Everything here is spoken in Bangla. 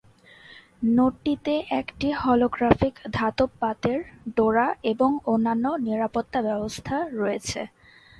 নোটটিতে একটি হলোগ্রাফিক ধাতব পাতের ডোরা এবং অন্যান্য নিরাপত্তা ব্যবস্থা রয়েছে।